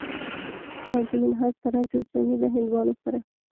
قاضي منهاج سراج جوزجاني له هندوانو سره